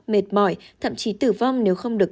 mệt mỏi thậm chí tử vong nếu không được